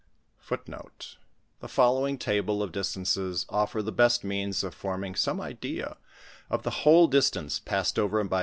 t f The following table of distances offer the best means of forming some idea of the whole distance passed over by M.